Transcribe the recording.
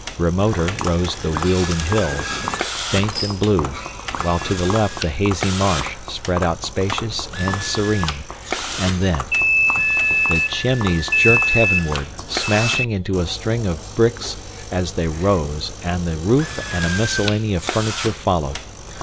Remoter rose the Wealden Hills, faint and blue, while to the left the hazy marsh spread out spacious and serene. And then— The chimneys jerked heavenward, smashing into a string of bricks as they rose, and the roof and a miscellany of furniture followed.